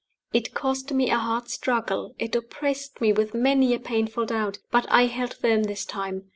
It cost me a hard struggle, it oppressed me with many a painful doubt; but I held firm this time.